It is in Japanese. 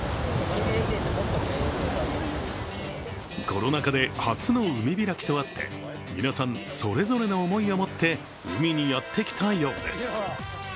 コロナ禍で初の海開きとあって、皆さん、それぞれの思いを持って海にやってきたようです。